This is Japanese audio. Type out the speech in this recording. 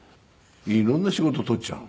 色んな仕事取っちゃうの。